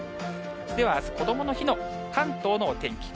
ではあす、こどもの日の関東のお天気。